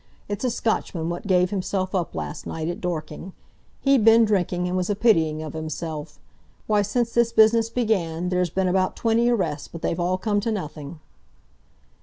It's a Scotchman what gave himself up last night at Dorking. He'd been drinking, and was a pitying of himself. Why, since this business began, there's been about twenty arrests, but they've all come to nothing."